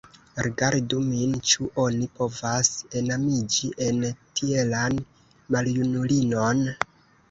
Rigardu min: ĉu oni povas enamiĝi en tielan maljunulinon?